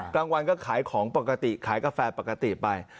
กลางวันก็ขายของปกติขายกาแฟปกติไป